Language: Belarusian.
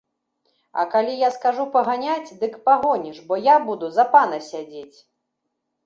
А калі я скажу паганяць, дык і пагоніш, бо я буду за пана сядзець!